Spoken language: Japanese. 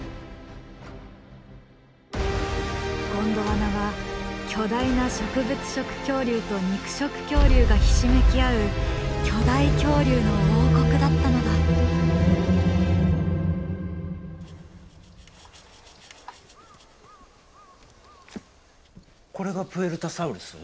ゴンドワナは巨大な植物食恐竜と肉食恐竜がひしめき合うこれがプエルタサウルス？